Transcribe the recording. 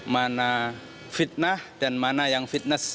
mana fitnah dan mana yang fitness